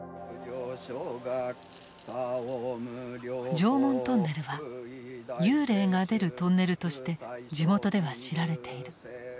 常紋トンネルは幽霊が出るトンネルとして地元では知られている。